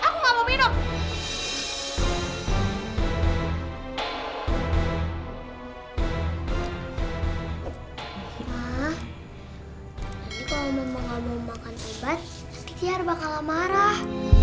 hai kalau mau makan makan sobat setiap bakal marah